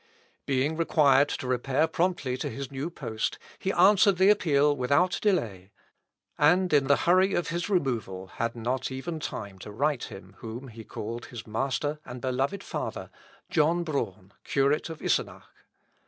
Being required to repair promptly to his new post, he answered the appeal without delay; and, in the hurry of his removal, had not even time to write him whom he called his master and beloved father John Braun, curate of Isenach.